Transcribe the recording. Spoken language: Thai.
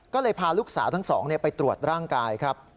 ก็เลยพาลูกสาวทั้งสองไปตรวจร่างกายครับ